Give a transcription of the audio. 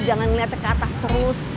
jangan ngeliatnya ke atas terus